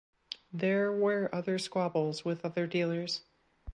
There were other squabbles with other dealers.